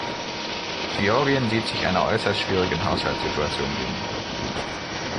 Georgien sieht sich einer äußerst schwierigen Haushaltssituation gegenüber.